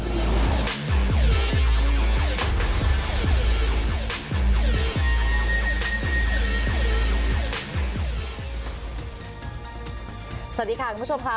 สวัสดีค่ะคุณผู้ชมค่ะ